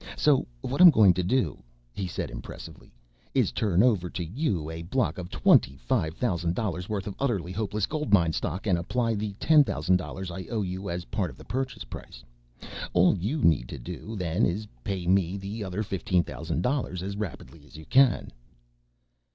So what I'm going to do," he said impressively, "is to turn over to you a block of twenty five thousand dollars' worth of Utterly Hopeless Gold Mine stock and apply the ten thousand dollars I owe you as part of the purchase price. All you need to do then is to pay me the other fifteen thousand dollars as rapidly as you can."